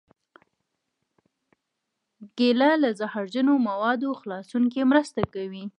کېله له زهرجنو موادو خلاصون کې مرسته کوي.